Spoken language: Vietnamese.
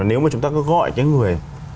nếu mà chúng ta cứ gọi cái người